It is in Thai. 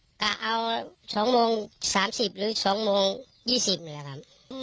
อากาศ๒โมง๓๐หรือ๒โมง๒๐นี้แหละครับ